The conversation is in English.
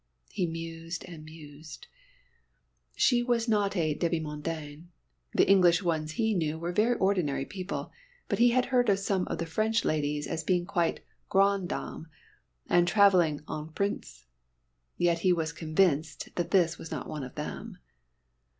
He mused and mused. She was not a demi mondaine. The English ones he knew were very ordinary people, but he had heard of some of the French ladies as being quite grande dame, and travelling en prince. Yet he was convinced this was not one of them.